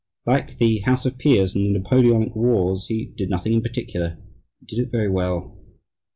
Like the House of Peers in the Napoleonic wars, he "did nothing in particular and did it very well."